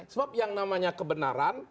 sebab yang namanya kebenaran